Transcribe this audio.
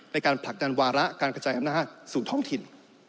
ในการผลักดันวาระการกระจายอำนาจสู่ท้องถิ่น